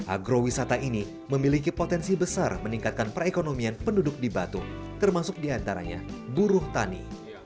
agrowisata ini memiliki potensi besar meningkatkan perekonomian penduduk di batu termasuk diantaranya buruh tani